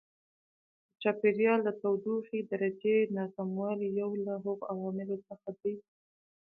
د چاپېریال د تودوخې درجې ناسموالی یو له هغو عواملو څخه دی.